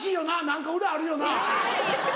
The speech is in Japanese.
何か裏あるよな？